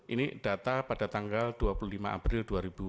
ini data pada tanggal dua puluh lima april